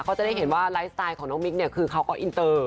เขาจะได้เห็นว่าไลฟ์สไตล์ของน้องมิ๊กเนี่ยคือเขาก็อินเตอร์